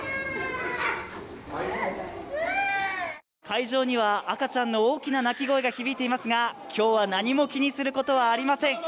会場には赤ちゃんの大きな泣き声が響いていますが、今日は何も気にすることはありません。